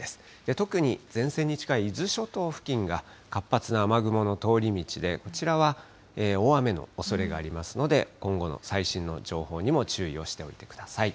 特に前線に近い伊豆諸島付近が活発な雨雲の通り道で、こちらは大雨のおそれがありますので、今後の最新の情報にも注意をしていてください。